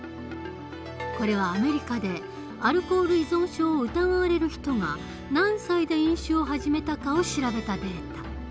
これはアメリカでアルコール依存症を疑われる人が何歳で飲酒を始めたかを調べたデータ。